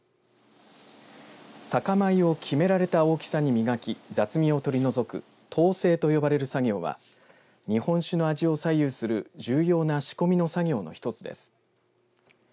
酒米を決められた大きさに磨き雑味を取り除くとう精と呼ばれる作業は日本酒の味を左右する重要な仕込みの作業の一つです。